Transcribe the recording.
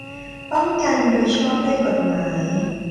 ป้องกันโดยชอบด้วยกฎหมาย